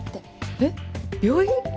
えっ病院？